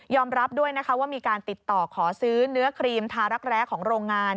รับด้วยนะคะว่ามีการติดต่อขอซื้อเนื้อครีมทารักแร้ของโรงงาน